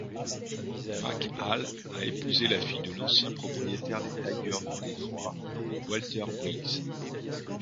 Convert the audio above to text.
McHale a épousé la fille de l'ancien propriétaire des Tigers de Detroit, Walter Briggs.